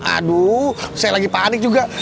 aduh saya lagi panik juga